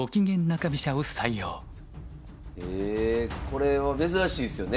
えこれは珍しいですよね？